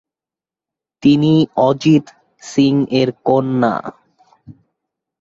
তিনি অজিত সিং এর কন্যা।